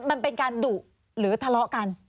มันเป็นการดุหรือทะเลาะกัน